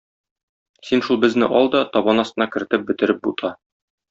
Син шул безне ал да, табан астына кертеп бетереп бута.